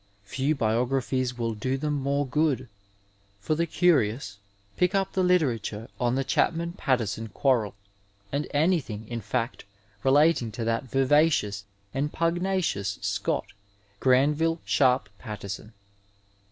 Few biographies will do them more good. For the curious pick up the literature on the Chapman Pattison quarrel, and anything, in fact, relating to that vivacious and pugnacious Scot, Qranville Sharpe Pattison.